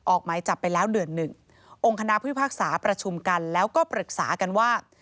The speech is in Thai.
ออกหมายจับไปแล้วเดือนหนึ่งองค์คณะพิพากษาประชุมกันแล้วก็ปรึกษากันว่า